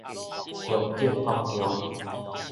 中正國中